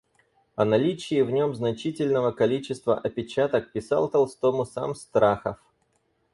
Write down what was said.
О наличии в нем значительного количества опечаток писал Толстому сам Страхов.